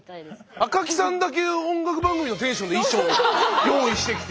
赤木さんだけ音楽番組のテンションで衣装を用意してきて。